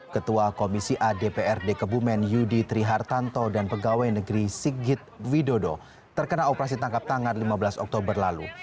ketua komisi adprd kebumen yudi trihartanto dan pegawai negeri sigit widodo terkena operasi tangkap tangan lima belas oktober lalu